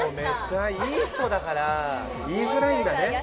いい人だから言いづらいんだね。